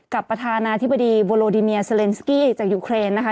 ประธานาธิบดีโบโลดิเมียเซเลนสกี้จากยูเครนนะคะ